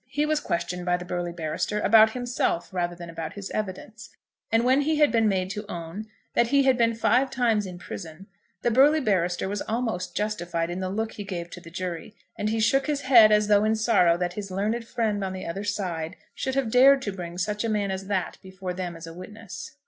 He was questioned by the burly barrister about himself rather than about his evidence; and when he had been made to own that he had been five times in prison, the burly barrister was almost justified in the look he gave to the jury, and he shook his head as though in sorrow that his learned friend on the other side should have dared to bring such a man as that before them as a witness.